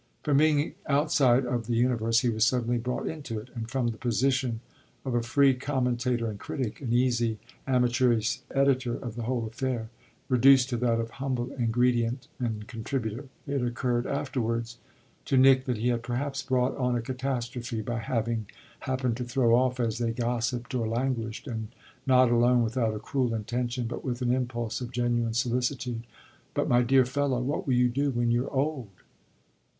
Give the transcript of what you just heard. From being outside of the universe he was suddenly brought into it, and from the position of a free commentator and critic, an easy amateurish editor of the whole affair, reduced to that of humble ingredient and contributor. It occurred afterwards to Nick that he had perhaps brought on a catastrophe by having happened to throw off as they gossiped or languished, and not alone without a cruel intention, but with an impulse of genuine solicitude: "But, my dear fellow, what will you do when you're old?"